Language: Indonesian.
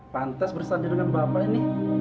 pantes bersandir dengan bapak ini